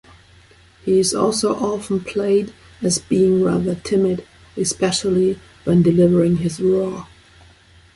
He is also often played as being rather timid, especially when delivering his "roar".